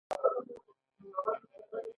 فرهاد داوري د سياست يوازنی پښتون علمي ليکوال دی